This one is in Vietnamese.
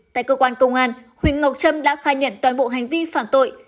tại cơ quan công an huỳnh ngọc trâm đã khai nhận toàn bộ hành vi phạm tội